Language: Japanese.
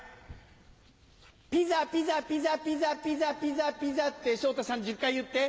ピザピザピザピザピザって昇太さん１０回言って。